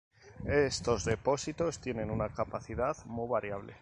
Estos depósitos tienen una capacidad muy variable.